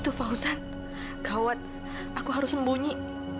itu fauzan gawat aku harus sembunyi